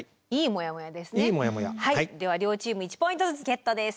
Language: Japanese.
はいでは両チーム１ポイントずつゲットです。